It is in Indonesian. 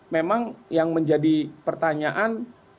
memang yang menjadi pertanyaan